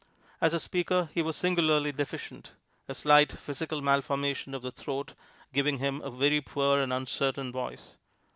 As a speaker he was singularly deficient, a slight physical malformation of the throat giving him a very poor and uncertain voice.